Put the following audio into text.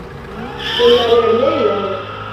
En la lernejon?